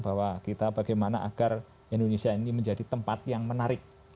bahwa kita bagaimana agar indonesia ini menjadi tempat yang menarik